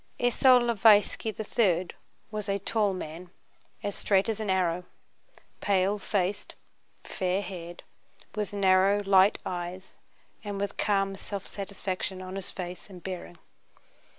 * A captain of Cossacks. Esaul Lováyski the Third was a tall man as straight as an arrow, pale faced, fair haired, with narrow light eyes and with calm self satisfaction in his face and bearing.